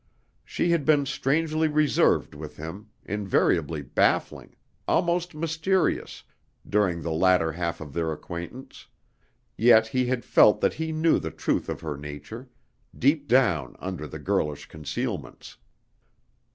She had been strangely reserved with him, invariably baffling, almost mysterious, during the latter half of their acquaintance, yet he had felt that he knew the truth of her nature, deep down under the girlish concealments.